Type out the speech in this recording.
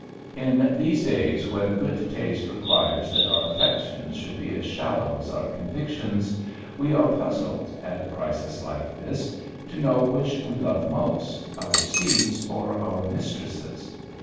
In these days when good taste requires that our affections should be as shallow as our convictions, we are puzzled, at a crisis like this, to know which we love most, our seats or our mistresses.